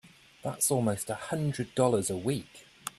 That's almost a hundred dollars a week!